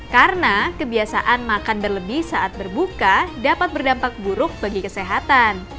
karena kebiasaan makan berlebih saat berbuka dapat berdampak buruk bagi kesehatan